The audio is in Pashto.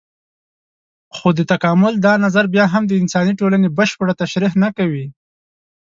خو د تکامل دا نظر بيا هم د انساني ټولنې بشپړه تشرېح نه کوي.